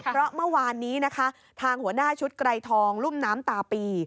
เพราะเมื่อวานนี้นะคะทางหัวหน้าชุดไกรทองรุ่มน้ำตาปี